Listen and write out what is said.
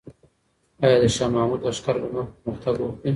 آیا د شاه محمود لښکر به نور پرمختګ وکړي؟